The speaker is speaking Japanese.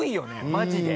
マジで。